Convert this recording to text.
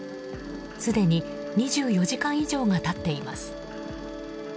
すでに２４時間以上が経っています。